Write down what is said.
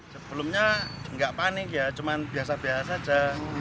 sebelumnya nggak panik ya cuman biasa biasa aja